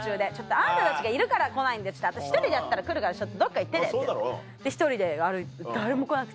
あんたたちがいるから来ないんだ私１人でやったら来るからどっか行っててって言って１人で歩いてて誰も来なくて。